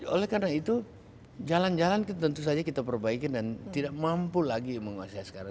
oleh karena itu jalan jalan tentu saja kita perbaiki dan tidak mampu lagi menguasai sekarang